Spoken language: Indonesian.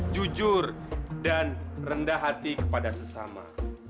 jujur dan rendah hati kepada sesama